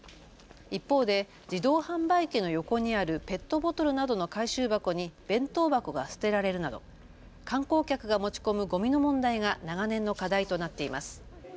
一方で自動販売機の横にあるペットボトルなどの回収箱に弁当箱が捨てられるなど観光客が持ち込むごみの問題が長年の課題となっています。